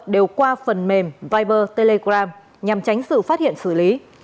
đều qua phần mềm viber telegram nhằm tránh sự phát hiện xử lý